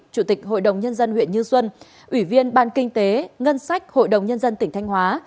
chủ tịch hội đồng nhân dân huyện như xuân ủy viên ban kinh tế ngân sách hội đồng nhân dân tỉnh thanh hóa